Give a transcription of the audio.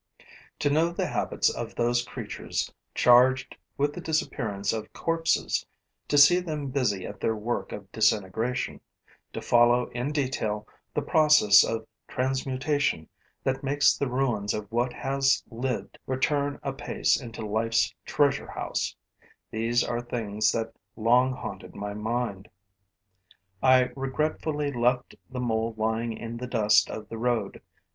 To know the habits of those creatures charged with the disappearance of corpses, to see them busy at their work of disintegration, to follow in detail the process of transmutation that makes the ruins of what has lived return apace into life's treasure house: these are things that long haunted my mind. I regretfully left the mole lying in the dust of the road.